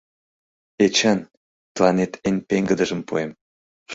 — Эчан, тыланет эн пеҥгыдыжым пуэм...